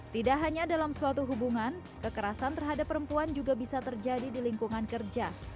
tidak hanya dalam suatu hubungan kekerasan terhadap perempuan juga bisa terjadi di lingkungan kerja